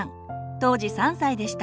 当時３歳でした。